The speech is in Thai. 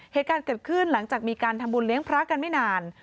เหตุการณ์เกิดขึ้นหลังจากมีการทำบุญเลี้ยงพระกันไม่นาน